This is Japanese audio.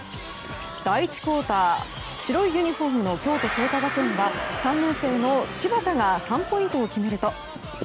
第１クオーター白いユニホームの京都精華学園は３年生の柴田が３ポイントを決めると。